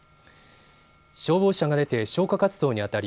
消防車が出て消火活動にあたり